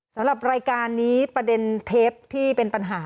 สำหรับรายการนี้ประเด็นเทปที่เป็นปัญหา